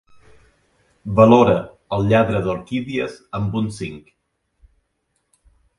Valora el lladre d'orquídies amb un cinc